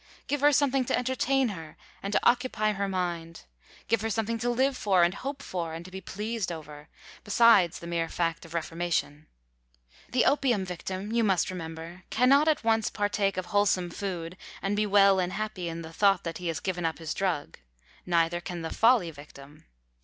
Give her something to entertain her and to occupy her mind, give her something to live for and hope for and to be pleased over, besides the mere fact of reformation. The opium victim, you must remember, can not at once partake of wholesome food and be well and happy in the thought that he has given up his drug. Neither can the folly victim.